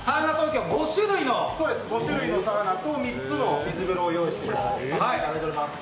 ５種類のサウナと３つの水風呂を用意しています。